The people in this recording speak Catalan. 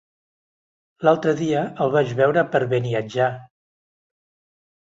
L'altre dia el vaig veure per Beniatjar.